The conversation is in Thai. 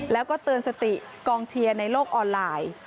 แล้วก็เตือนสติกองเชียร์ในโลกออนไลน์